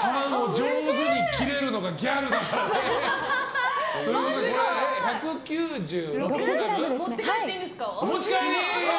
タンを上手に切れるのがギャルだ！ということで１９６ｇお持ち帰り！